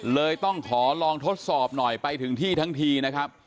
เลยต้องขอลองทดสอบหน่อยไปถึงที่ทั้งทีนะครับ